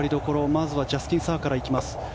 まずはジャスティン・サーから行きます。